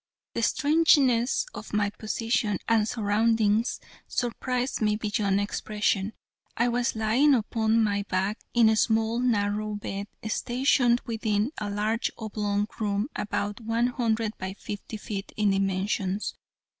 The strangeness of my position and surroundings surprised me beyond expression. I was lying upon my back in a small narrow bed stationed within a large oblong room about one hundred by fifty feet in dimensions.